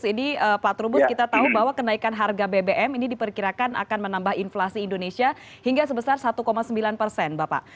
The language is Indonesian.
ini pak trubus kita tahu bahwa kenaikan harga bbm ini diperkirakan akan menambah inflasi indonesia hingga sebesar satu sembilan persen bapak